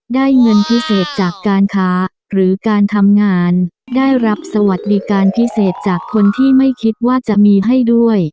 ได้เงินพิเศษจากการค้าหรือการทำงานได้รับสวัสดิการพิเศษจากคนที่ไม่คิดว่าจะมีให้ด้วย